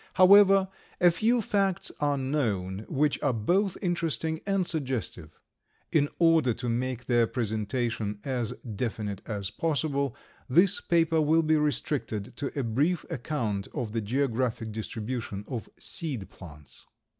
However, a few facts are known which are both interesting and suggestive. In order to make their presentation as definite as possible, this paper will be restricted to a brief account of the geographic distribution of seed plants.